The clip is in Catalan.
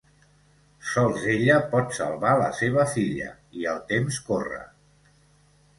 Sols ella pot salvar la seva filla, i el temps corre.